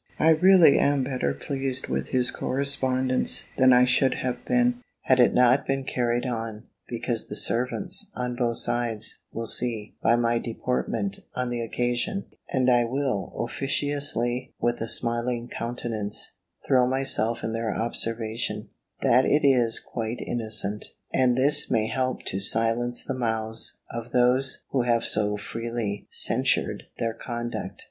I really am better pleased with his correspondence, than I should have been, had it not been carried on; because the servants, on both sides, will see, by my deportment on the occasion (and I will officiously, with a smiling countenance, throw myself in their observation), that it is quite innocent; and this may help to silence the mouths of those who have so freely censured their conduct.